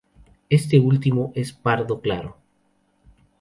Este último es pardo claro.